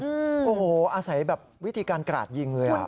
โอ้โหอาศัยแบบวิธีการกราดยิงเลยอ่ะ